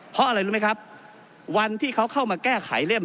เพราะอะไรรู้ไหมครับวันที่เขาเข้ามาแก้ไขเล่ม